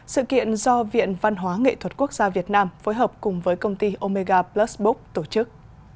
sự kiện do viện văn hóa nghệ thuật quốc gia việt nam phối hợp cùng với công ty omega plus book tổ chức